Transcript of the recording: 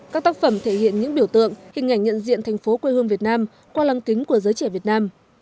các tác phẩm thể hiện những biểu tượng hình ảnh nhận diện thành phố quê hương việt nam qua lăng kính của giới trẻ việt nam